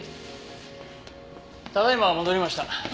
ただいま戻りました。